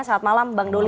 selamat malam bang doli